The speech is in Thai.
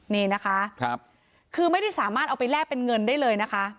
นี่นะคะคือไม่ได้สามารถเอาไปแลกเป็นเงินได้เลยนะคะ